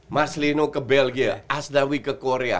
mas lino ke belgia asdawi ke korea